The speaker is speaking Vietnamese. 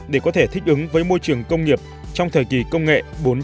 để có thể thích ứng với môi trường công nghiệp trong thời kỳ công nghệ bốn